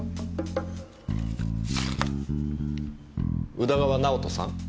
宇田川直人さん？